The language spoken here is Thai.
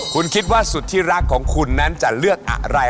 คุณคิดว่าสุดที่รักของคุณนั้นจะเลือกอะไร